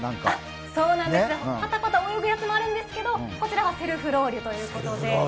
そうなんです、パタパタあおぐやつもあるんですけどこちらはセルフロウリュということで。